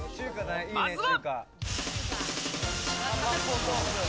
まずは。